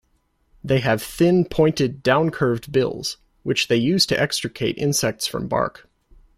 They have thin pointed down-curved bills, which they use to extricate insects from bark.